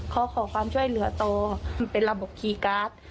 เขาขอความช่วยเหลือโตมันเป็นระบบคีย์การ์ด